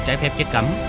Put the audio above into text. trái phép chất cấm